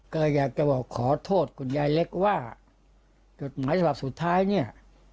ก็อยากจะบอกขอโทษคุณยายเล็กว่ากฎหมายฉบับสุดท้ายเนี่ย